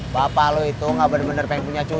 bapak lo itu gak bener bener pengen punya cucu